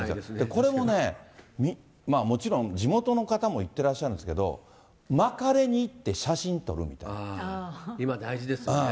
これもね、もちろん地元の方も言ってらっしゃるんですけど、巻かれに行って、今、大事ですよね。